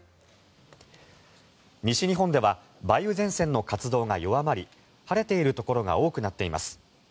西日本では梅雨前線の活動が弱まり晴れているところが多くなっています。